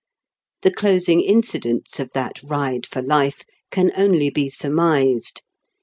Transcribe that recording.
Tbe closing incidents of tbat ride for life can only be surmised.